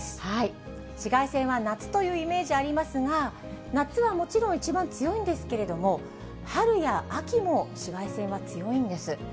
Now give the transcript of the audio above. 紫外線は夏というイメージありますが、夏はもちろん、一番強いんですけれども、春や秋も紫外線は強いんです。